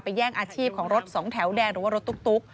แย่งอาชีพของรถสองแถวแดงหรือว่ารถตุ๊ก